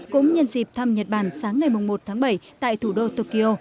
cũng nhân dịp thăm nhật bản sáng ngày một tháng bảy tại thủ đô tokyo